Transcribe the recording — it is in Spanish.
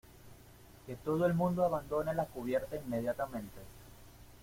que todo el mundo abandone la cubierta inmediatamente.